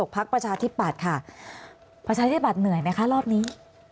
พัชหาธิปัตต์เหนื่อยมั้ยคะรอบนี้